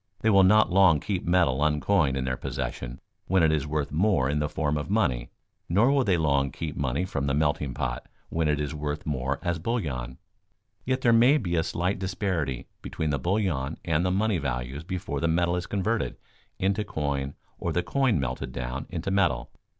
They will not long keep metal uncoined in their possession when it is worth more in the form of money, nor will they long keep money from the melting pot when it is worth more as bullion. Yet there may be a slight disparity between the bullion and the money values before the metal is converted into coin or the coin melted down into metal.